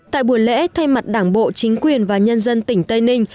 tại buổi lễ thay mặt đảng bộ chính quyền và nhân dân tỉnh tây ninh